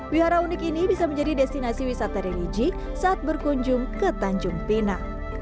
wihara unik ini bisa menjadi destinasi wisata religi saat berkunjung ke tanjung pinang